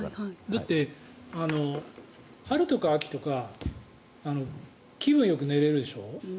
だって春とか秋とか気分よく寝れるでしょ。